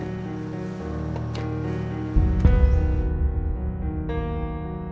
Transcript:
perasaanku jadi gak enak